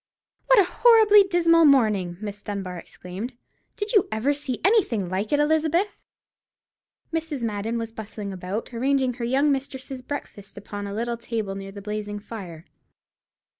"What a horribly dismal morning!" Miss Dunbar exclaimed. "Did you ever see anything like it, Elizabeth?" Mrs. Madden was bustling about, arranging her young mistress's breakfast upon a little table near the blazing fire.